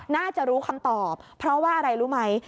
น่าจะรู้คำตอบเพราะว่าอะไรรู้ไหม